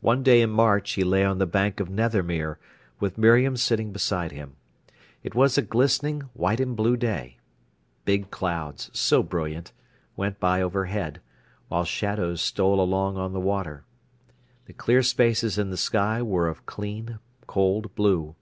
One day in March he lay on the bank of Nethermere, with Miriam sitting beside him. It was a glistening, white and blue day. Big clouds, so brilliant, went by overhead, while shadows stole along on the water. The clear spaces in the sky were of clean, cold blue.